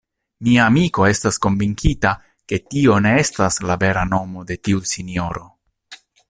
Mia amiko estas konvinkita, ke tio ne estas la vera nomo de tiu sinjoro.